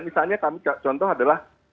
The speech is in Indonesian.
misalnya kami contoh adalah